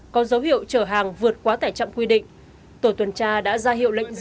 có dấu hiệu chở hàng vượt quá tải chậm quy định